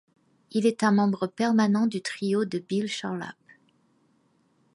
Il est un membre permanent du trio de Bill Charlap.